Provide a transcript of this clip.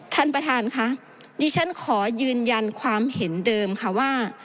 ท่านประธานค่ะดิฉันขอยืนยันความเห็นเดิมค่ะว่า